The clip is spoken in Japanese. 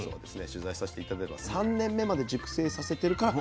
取材させて頂いたのは３年目まで熟成させてるから。